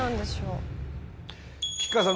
吉川さん